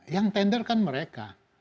yang tender kan mereka